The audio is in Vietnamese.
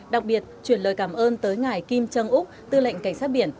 đặc biệt chuyển lời cảm ơn tới ngài kim trân úc tư lệnh cảnh sát biển